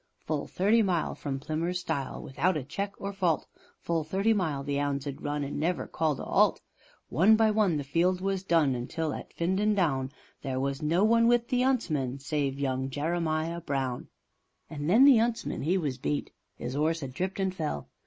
Full thirty mile from Plimmers Style, without a check or fault, Full thirty mile the 'ounds 'ad run and never called a 'alt. One by one the Field was done until at Finden Down, There was no one with the 'untsman save young Jeremiah Brown. And then the 'untsman 'e was beat. 'Is 'orse 'ad tripped and fell.